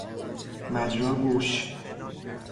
مجرا گوش